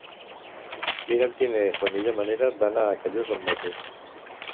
Mira'm quina és la millor manera d'anar a Callús amb moto.